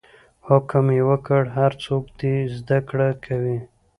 حکم یې وکړ هر څوک دې زده کړه کوي.